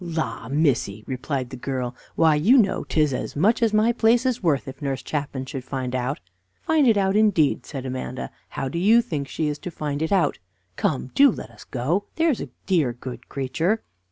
"La, missy!" replied the girl, "why, you know 'tis as much as my place is worth if Nurse Chapman should find out." "Find it out indeed," said Amanda; "how do you think she is to find it out? Come, do let us go, there's a dear, good creature."